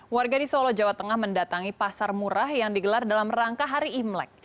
warga di solo jawa tengah mendatangi pasar murah yang digelar dalam rangka hari imlek